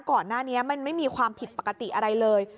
ก่อนหน้านี้มันไม่มีความผิดปกติอะไรเลย